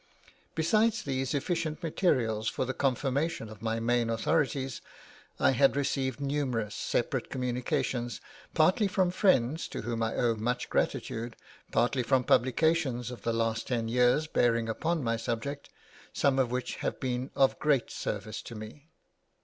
Besides these efficient materials for the confirmation of my main authorities, I had received numerous separate communications, partly from friends to whom I owe much gratitude, partly from publications of the last ten years bearing upon my subject, some of which have been of great service to me.